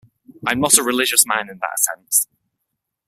I'm not a religious man in that sense.